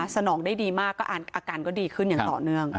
สนองได้ดีมากก็อาการก็ดีขึ้นอย่างต่อเนื่อง